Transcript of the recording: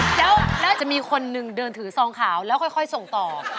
แล้วน่าจะมีคนนึงเดินถือซองขาวแล้วค่อยส่งต่อ